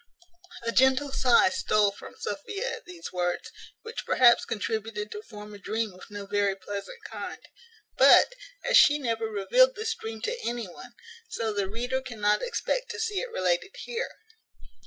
A gentle sigh stole from Sophia at these words, which perhaps contributed to form a dream of no very pleasant kind; but, as she never revealed this dream to any one, so the reader cannot expect to see it related here.